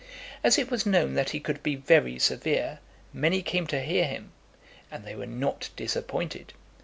As it was known that he could be very severe, many came to hear him, and they were not disappointed.